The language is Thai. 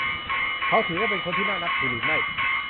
เขาถือว่าเป็นคนที่น่านับถือหรือไม่ ?